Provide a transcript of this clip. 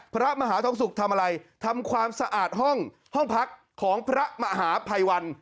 พระมหาทองศุกร์ทำอะไรทำความสะอาดห้องพักของพระมหาภัยวัน